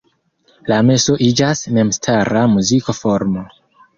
La meso iĝas memstara muzika formo.